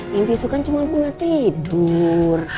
mimpi itu kan cuman bunga tidur